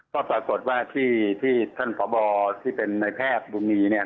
ก็ปรากฏว่าที่ท่านพบที่เป็นนายแพรฯบุญมี้